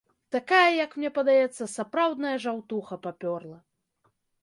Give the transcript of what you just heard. Такая, як мне падаецца, сапраўдная жаўтуха папёрла.